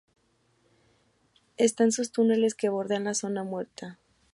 Está en sus túneles que bordean la Zona Muerta.